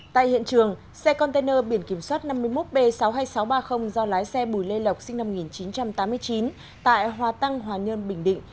tại hiện trường xe container biển kiểm soát năm mươi một b sáu mươi hai nghìn sáu trăm ba mươi do lái xe bùi lê lộc sinh năm một nghìn chín trăm tám mươi chín tại hòa tăng hòa nhơn bình định